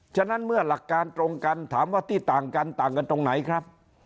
ฉะนั้นเมื่อหลักการตรงกันถามว่าที่ต่างกันต่างกันตรงไหนครับ